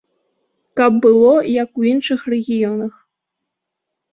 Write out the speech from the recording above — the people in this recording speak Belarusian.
Каб было, як у іншых рэгіёнах.